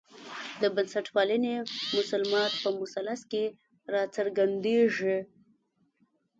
د بنسټپالنې مسلمات په مثلث کې راڅرګندېږي.